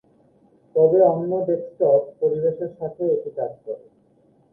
তবে অন্য ডেস্কটপ পরিবেশের সাথেও এটি কাজ করে।